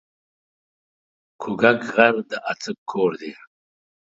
کوږک غر د اڅک کور دی